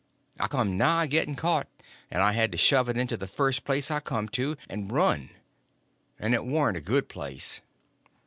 I come nigh getting caught, and I had to shove it into the first place I come to, and run—and it warn't a good place."